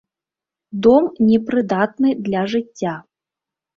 Дом непрыдатны для жыцця.